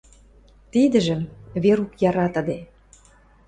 Тидӹжӹм Верук яратыде.